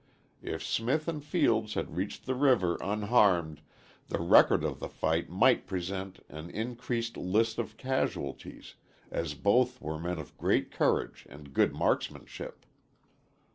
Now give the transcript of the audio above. If Smith and Fields had reached the river unharmed, the record of the fight might present an increased list of casualties, as both were men of great courage and good marksmanship.